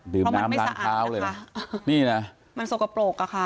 ดื่มน้ำล้างเท้าต้นมันทรงกะโปรกร้อยค่ะ